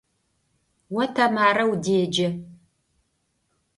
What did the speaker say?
О Тэмарэ удеджэ.